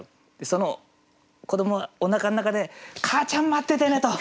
その子どもはおなかの中で「母ちゃん待っててね」と。